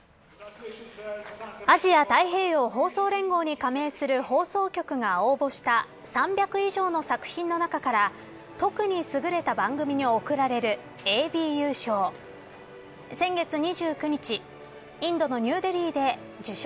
アジア太平洋放送連合に加盟する放送局が応募した３００以上の作品の中から特に優れた番組に贈られるＡＢＵ賞。